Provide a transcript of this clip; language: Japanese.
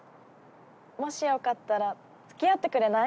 もしよかったら付き合ってくれない？